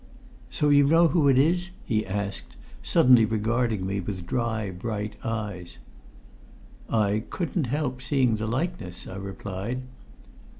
"So you know who it is?" he asked, suddenly regarding me with dry bright eyes. "I couldn't help seeing the likeness," I replied.